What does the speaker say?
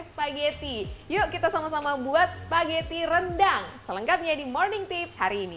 spageti yuk kita sama sama buat spaghetti rendang selengkapnya di morning tips hari ini